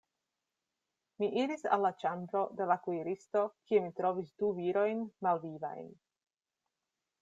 Mi iris al la ĉambro de la kuiristo, kie mi trovis du virojn malvivajn.